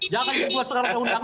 jangan buat sekarang ada undang